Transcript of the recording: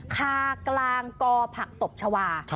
คากลางกอตบชวา